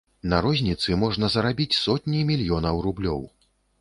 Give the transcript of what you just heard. На розніцы можна зарабіць сотні мільёнаў рублёў.